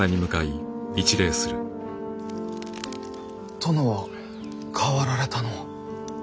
殿は変わられたのう。